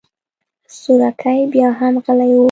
سورکی بياهم غلی و.